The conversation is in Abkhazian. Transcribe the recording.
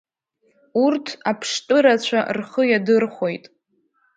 Урҭ аԥштәы рацәа рхы иадырхәоит.